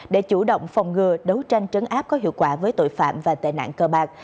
để chủ động phòng ngừa đấu tranh trấn áp có hiệu quả với tội phạm và tệ nạn cờ bạc